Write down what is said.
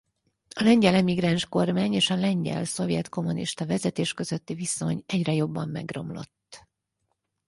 A lengyel emigráns kormány és a lengyel-szovjet kommunista vezetés közötti viszony egyre jobban megromlott.